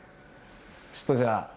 ちょっとじゃあ。